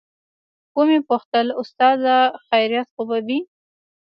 ومې پوښتل استاده خيريت خو به وي.